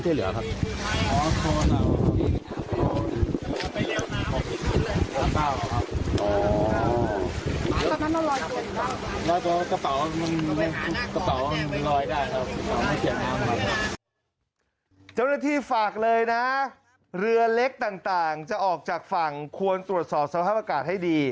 เจ้าหน้าที่ฝากเลยนะเรือเล็กต่างจะออกจากฝั่งควรตรวจสอบสภาพอากาศให้ดี